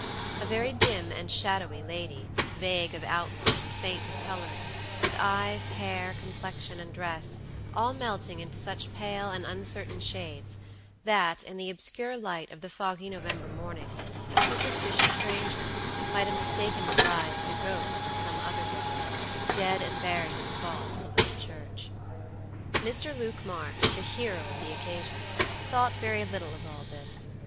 A very dim and shadowy lady, vague of outline, and faint of coloring, with eyes, hair, complexion and dress all melting into such pale and uncertain shades that, in the obscure light of the foggy November morning a superstitious stranger might have mistaken the bride for the ghost of some other bride, dead and buried in the vault below the church. Mr. Luke Marks, the hero of the occasion, thought very little of all this.